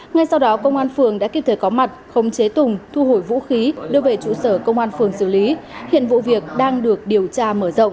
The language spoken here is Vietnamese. ngay sau đó công an phường đã kịp thời có mặt khống chế tùng thu hồi vũ khí đưa về trụ sở công an phường xử lý hiện vụ việc đang được điều tra mở rộng